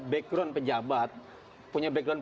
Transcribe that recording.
background pejabat punya background